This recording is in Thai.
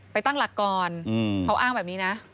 ตั้งหลักก่อนเขาอ้างแบบนี้นะ